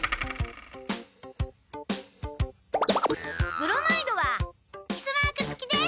ブロマイドはキスマークつきです！